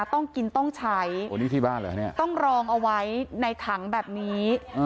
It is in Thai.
ต้องกินต้องใช้ต้องรองเอาไว้ในถังแบบนี้